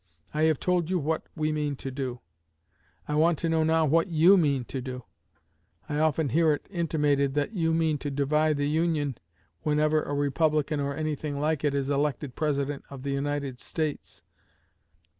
I have told you what we mean to do. I want to know now what you mean to do. I often hear it intimated that you mean to divide the Union whenever a Republican, or anything like it, is elected President of the United States.